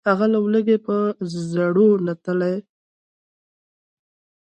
هغه له لوږي په زړو نتلي